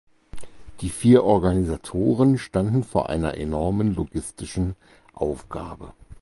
Die vier Organisatoren standen vor einer enormen logistischen Aufgabe.